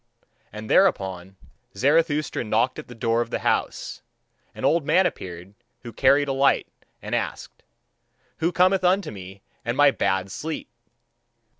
And thereupon Zarathustra knocked at the door of the house. An old man appeared, who carried a light, and asked: "Who cometh unto me and my bad sleep?"